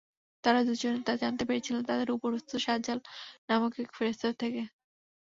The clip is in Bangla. তাঁরা দুজন তা জানতে পেরেছিলেন তাদের উপরস্থ শাজাল নামক এক ফেরেশতা থেকে।